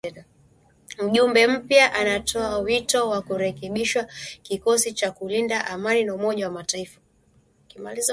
Mjumbe mpya anatoa wito wa kurekebishwa kikosi cha kulinda amani cha Umoja wa Mataifa.